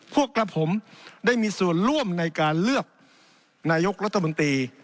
พวกกระผมได้มีส่วนร่วมในการเลือกนายกรัฐมนตรี